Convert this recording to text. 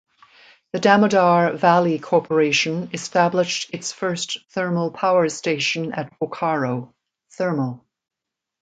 The Damodar Valley Corporation established its first thermal power station at Bokaro (Thermal).